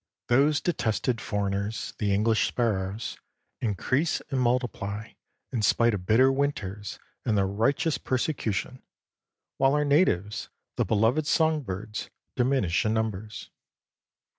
Those detested foreigners, the English sparrows, increase and multiply in spite of bitter winters and righteous persecution, while our natives, the beloved song birds, diminish in numbers.